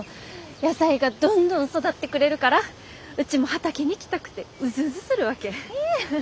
野菜がどんどん育ってくれるからうちも畑に来たくてうずうずするわけ。